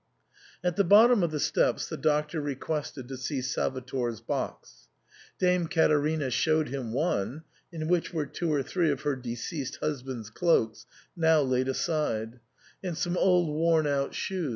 At the bottom of the steps the Doctor requested to see Salvator's box ; Dame Caterina showed him one — in which were two or three of her deceased husband's cloaks now laid aside, and some old worn out shoes.